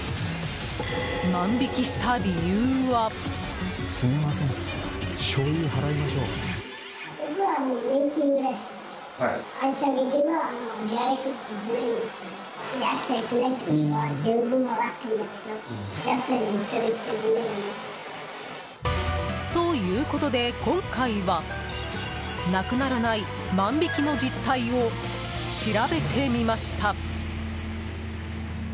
万引きした理由は？ということで、今回はなくならない万引きの実態を調べてみました。